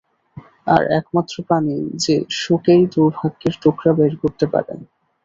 আর একমাত্র প্রাণী যে শুঁকেই দুর্ভাগ্যের টুকরা বের করতে পারে।